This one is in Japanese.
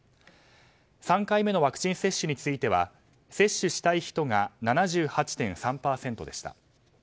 ３回目のワクチン接種については接種したい人が７８．３％でした。